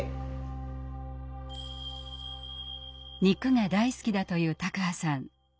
肉が大好きだという卓巴さん。